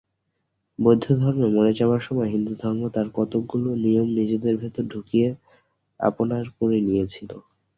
বৌদ্ধধর্ম মরে যাবার সময় হিন্দুধর্ম তার কতকগুলি নিয়ম নিজেদের ভেতর ঢুকিয়ে আপনার করে নিয়েছিল।